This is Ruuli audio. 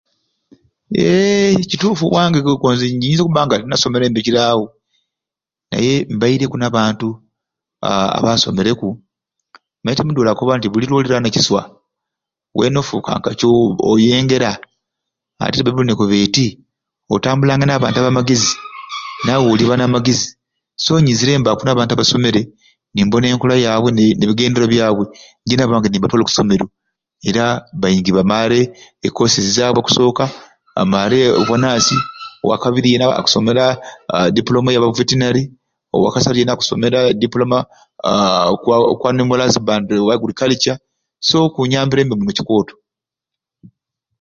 Eee kituufu owange nje nyiza okubba nga tinasome bbe kiri awo naye mbaireku n'abantu abaasomereku omaite omudduuli akkoba nti buli lwolilaana ekisuwa weena ofuuka ka kyo oyengera ate ne bayibuli n'ekoba eti otambulanga n'abantu ba magezi nawe oliba n'amagezi so nyizire mbaaku n'abantu abasomere nimbona enkola yabwe ne ne bigendeerwa byabwe njeena abange nimbatwala era baingi bamaare e koosi zaabwe akusobola amaale obwa naasi, owa kabiri yeena akusoma dipulooma ya vetinare owakasatu yeena akusomeera dipulooma ku animolo hazibandure andi agulikalica so kunyambiree muno kikooto.